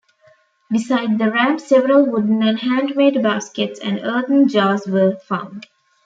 Beside the ramp several wooden and hand-made baskets and earthen jars were found.